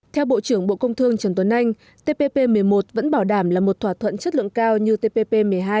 theo bộ trưởng bộ công thương trần tuấn anh tpp một mươi một vẫn bảo đảm là một thỏa thuận chất lượng cao như tpp một mươi hai